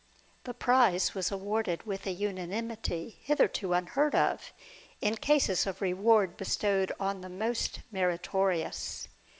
The prize was awarded with an unanimity hitherto unheard of in cases of reward bestowed on the most meritorious.